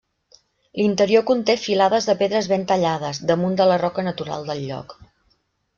L'interior conté filades de pedres ben tallades, damunt de la roca natural del lloc.